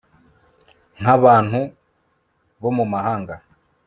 nk abantu bo mu mahanga